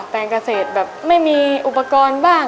การเกษตรแบบไม่มีอุปกรณ์บ้าง